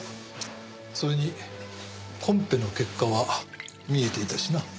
それにコンペの結果は見えていたしな。